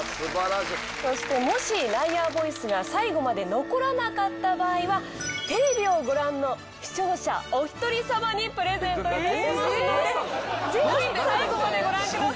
そしてもしライアーボイスが最後まで残らなかった場合はテレビをご覧の視聴者お一人さまにプレゼントいたしますのでぜひ最後までご覧ください。